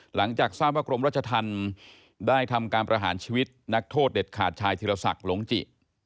หลังจากทราบว่ากรมรัชธรรมได้ทำการประหารชีวิตนักโทษเด็ดขาดชายธิรศักดิ์หลงจิ